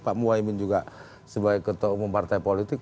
pak muhaymin juga sebagai ketua umum partai politik